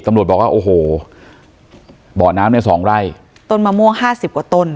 ตำรวจบอกว่าโอ้โหบ่อน้ำเนี้ยสองไร่ต้นมะม่วงห้าสิบกว่าต้น